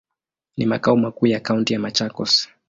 Ni makao makuu ya kaunti ya Machakos.